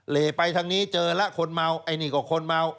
ไปทางนี้เจอแล้วคนเมาไอ้นี่ก็คนเมา